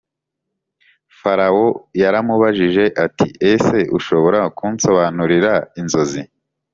Farawo yaramubajije ati ese ushobora kunsobanurira inzozi